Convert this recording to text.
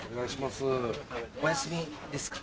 お休みですか？